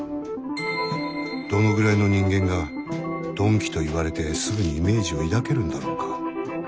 どのぐらいの人間が「鈍器」と言われてすぐにイメージを抱けるんだろうか？